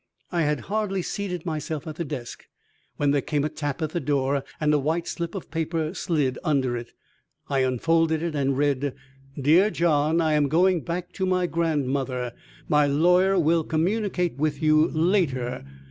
I had hardly seated myself at the desk when there came a tap at the door and a white slip of paper slid under it. I unfolded it and read: "DEAR JOHN, "I am going back to my grandmother. My lawyer will communicate with you later."